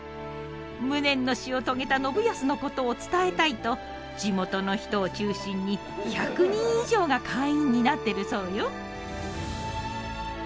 無念の死を遂げた信康のことを伝えたいと地元の人を中心に１００人以上が会員になってるそうよ。